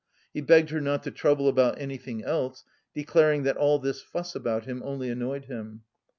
He begged her not to trouble about anything else, declaring that all this fuss about him only annoyed him.